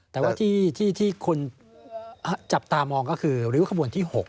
แต่ว่าที่คุณจับตามองก็คือริ้วขบวนที่๖